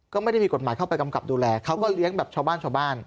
ก็ไม่ได้มีกฎหมายเข้าไปกำกับดูแลเขาก็เลี้ยงแบบชาวบ้านชาวบ้าน